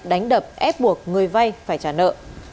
đánh đập ép buộc người vay phải trả nợ